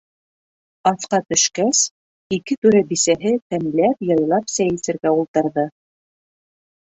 Аҫҡа төшкәс, ике түрә бисәһе тәмләп-яйлап сәй эсергә ултырҙы.